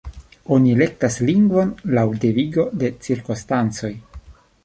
Oni elektas lingvon laŭ devigo de cirkonstancoj.